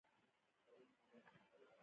غریب ته یوه موسکا لوی تسل دی